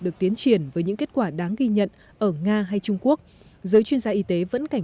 được tiến triển với những kết quả đáng ghi nhận ở nga hay trung quốc giới chuyên gia y tế vẫn cảnh